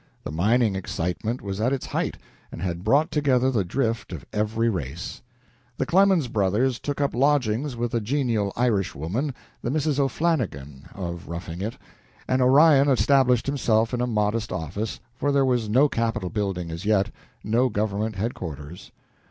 The mining excitement was at its height and had brought together the drift of every race. The Clemens brothers took up lodgings with a genial Irishwoman, the Mrs. O'Flannigan of "Roughing It," and Orion established himself in a modest office, for there was no capitol building as yet, no government headquarters.